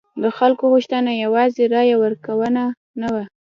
د خلکو غوښتنه یوازې رایه ورکونه نه وه.